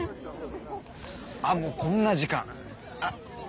あっもうこんな時間。